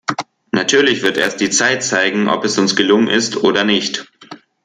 Natürlich wird erst die Zeit zeigen, ob es uns gelungen ist oder nicht.